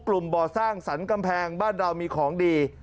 บ่อสร้างสรรค์กำแพงบ้านเรามีของดี